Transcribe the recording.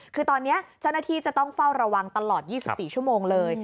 คือตอนนี้เจ้าหน้าที่จะต้องเฝ้าระวังตลอด๒๔ชั่วโมงเลย